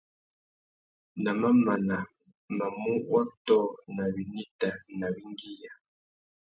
Na mamana, mamú wôtō nà winita nà « wingüiya ».